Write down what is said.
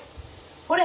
ほれ！